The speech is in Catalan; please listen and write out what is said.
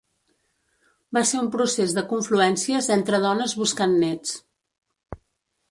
Va ser un procés de confluències entre dones buscant néts.